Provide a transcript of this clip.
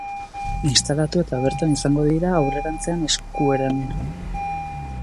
Instalatu eta bertan izango dira aurrerantzean eskueran.